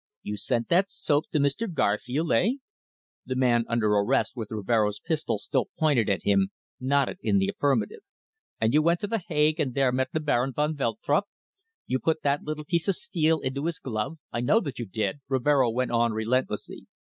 "You sent that soap to Mr. Garfield eh?" The man under arrest with Rivero's pistol still pointed at him nodded in the affirmative. "And you went to The Hague and there met the Baron van Veltrup. You put that little piece of steel into his glove. I know that you did," Rivero went on relentlessly.